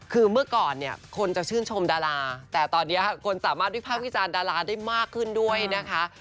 คือเมื่อก่อนเนี่ยคนจะชื่นชมดาราแต่ตอนนี้คนสามารถวิภาควิจารณ์ดาราได้มากขึ้นด้วยนะคะ